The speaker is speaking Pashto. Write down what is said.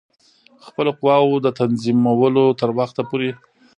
خپلو قواوو د تنظیمولو تر وخته پوري.